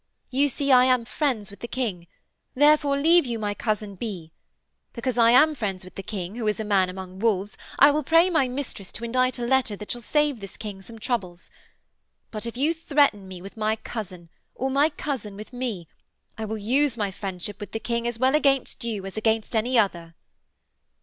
You see I am friends with the King therefore leave you my cousin be. Because I am friends with the King, who is a man among wolves, I will pray my mistress to indite a letter that shall save this King some troubles. But, if you threaten me with my cousin, or my cousin with me, I will use my friendship with the King as well against you as against any other.'